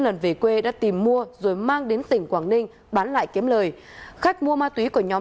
lần về quê đã tìm mua rồi mang đến tỉnh quảng ninh bán lại kiếm lời khách mua ma túy của nhóm